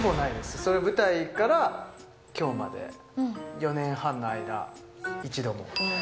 それは舞台からきょうまで４年半の間、一度も。